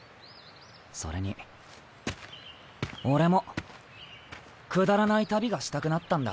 それに俺もくだらない旅がしたくなったんだ。